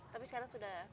tapi sekarang sudah